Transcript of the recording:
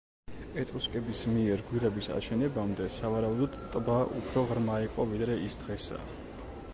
ეტრუსკების მიერ გვირაბის აშენებამდე, სავარაუდოდ ტბა უფრო ღრმა იყო ვიდრე ის დღესაა.